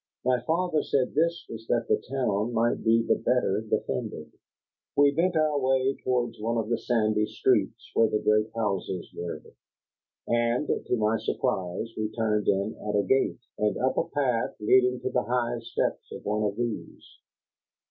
My father said this was that the town might be the better defended. We bent our way towards one of the sandy streets where the great houses were. And to my surprise we turned in at a gate, and up a path leading to the high steps of one of these.